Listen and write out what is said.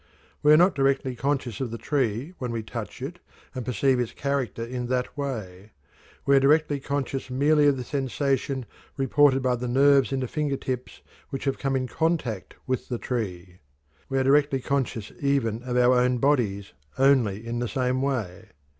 We are not directly conscious of the tree when we touch it and perceive its character in that way; we are directly conscious merely of the sensation reported by the nerves in the finger tips which have come in contact with the tree. We are directly conscious even of our own bodies only in the same way.